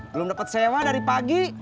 belum dapat sewa dari pagi